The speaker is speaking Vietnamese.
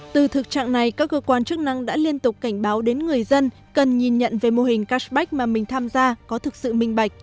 từ thực trạng này các cơ quan chức năng đã liên tục cảnh báo đến người dân cần nhìn nhận về mô hình cashback mà mình tham gia có thực sự minh bạch